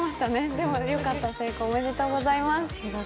でもよかった、成功おめでとうございます。